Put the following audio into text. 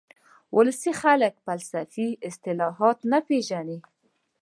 ولسي خلک فلسفي اصطلاحات نه پېژني